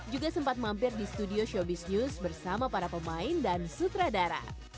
juga sempat mampir di studio showbiz news bersama para pemain dan sutradara